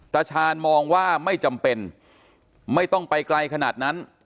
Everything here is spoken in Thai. ตาชาญมองว่าไม่จำเป็นไม่ต้องไปไกลขนาดนั้น